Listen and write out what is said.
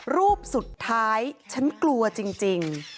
รูปสุดท้ายฉันกลัวจริง